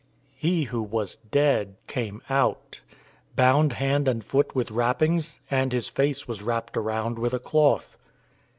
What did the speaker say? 011:044 He who was dead came out, bound hand and foot with wrappings, and his face was wrapped around with a cloth.